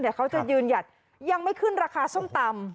เขาจะยืนหยัดยังไม่ขึ้นราคาส้มตำ